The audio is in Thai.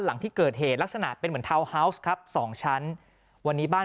หลังที่เกิดเหตุลักษณะเป็นเหมือนทาวน์ฮาวส์ครับสองชั้นวันนี้บ้าน